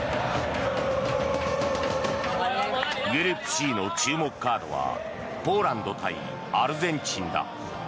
グループＣの注目カードはポーランド対アルゼンチンだ。